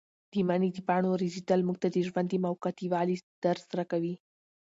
د مني د پاڼو رژېدل موږ ته د ژوند د موقتي والي درس راکوي.